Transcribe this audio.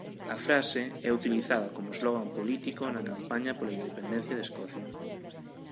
A frase é utilizada como slogan político na campaña pola independencia de Escocia.